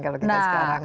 kalau kita sekarang